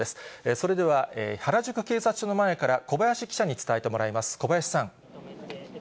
それでは、原宿警察署の前から小林記者に伝えてもらいます。